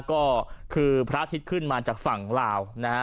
ก็คือพระอาทิตย์ขึ้นมาจากฝั่งลาวนะฮะ